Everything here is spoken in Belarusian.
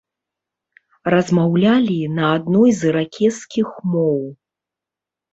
Размаўлялі на адной з іракезскіх моў.